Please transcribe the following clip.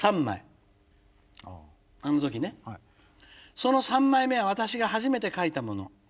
「その３枚目は私が初めて書いたもの。